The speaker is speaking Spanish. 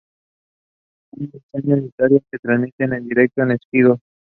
Disney Channel Italia se transmite en directo en Sky Go.